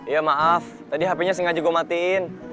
iya maaf tadi hp nya sengaja gue matiin